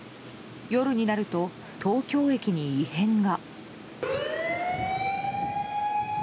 夜になると東京駅に異変が。